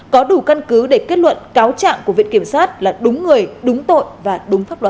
có đủ căn cứ để kết luận cáo trạng của viện kiểm sát là đúng người đúng tội và đúng pháp luật